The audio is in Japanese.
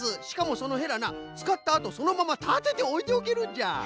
しかもそのヘラなつかったあとそのままたてておいておけるんじゃ。